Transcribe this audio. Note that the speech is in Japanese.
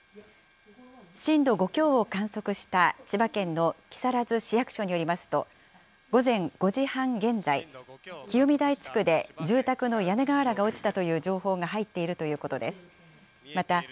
震度５強を観測した千葉県の木更津市役所によりますと午前５時半現在、きよみだい地区で住宅の屋根がわらが落ちたという情報が入っているということです。